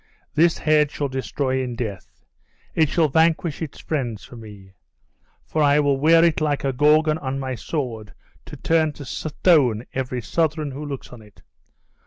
This head shall destroy in death; it shall vanquish its friends for me; for I will wear it like a Gorgon on my sword, to turn to stone every Southron who looks on it."